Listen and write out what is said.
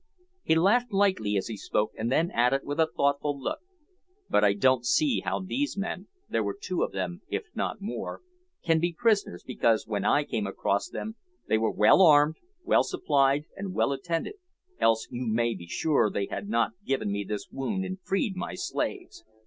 He laughed lightly as he spoke, and then added, with a thoughtful look, "But I don't see how these men there were two of them, if not more can be prisoners, because, when I came across them, they were well armed, well supplied, and well attended, else, you may be sure, they had not given me this wound and freed my slaves.